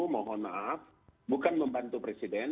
mohon maaf bukan membantu presiden